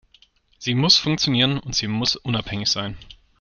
Sie muss funktionieren und sie muss unabhängig sein.